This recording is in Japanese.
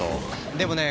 でもねえ